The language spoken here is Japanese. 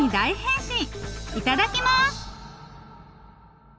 いただきます！